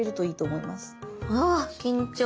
うわっ緊張。